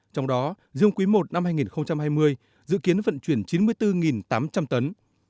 trong đó riêng quý i năm hai nghìn hai mươi dự kiến vận chuyển chín mươi bốn tám trăm linh tấn